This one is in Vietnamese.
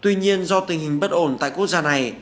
tuy nhiên do tình hình bất ổn tại quốc gia này